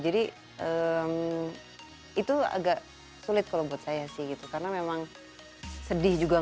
jadi itu agak sulit kalau buat saya sih gitu karena memang sedih juga